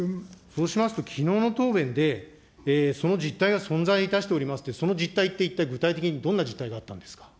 そうしますときのうの答弁で、その実態が存在いたしておりますって、その実態って、一体、具体的にどんな実態があったんですか。